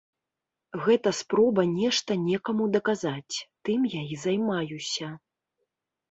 Гэта спроба нешта некаму даказаць, тым я і займаюся.